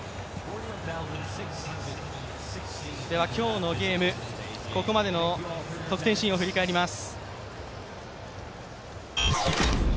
では今日のゲーム、ここまでの得点シーンを振り返ります。